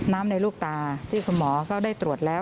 ในลูกตาที่คุณหมอก็ได้ตรวจแล้ว